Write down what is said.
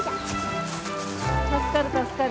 助かる助かる。